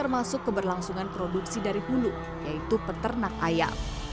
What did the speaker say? masih dari hulu yaitu peternak ayam